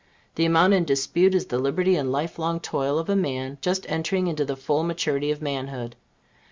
The amount in dispute is the liberty and life long toil of a man just entering into the full maturity of manhood.